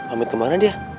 pamit kemana dia